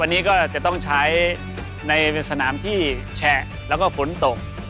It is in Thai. วันนี้ก็จะต้องใช้ในสนามที่แฉะแล้วก็ฝนตก